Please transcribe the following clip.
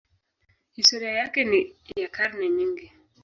Historia yake ni ya karne nyingi.